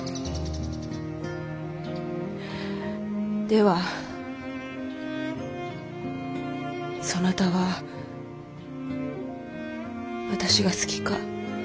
ではそなたは私が好きか。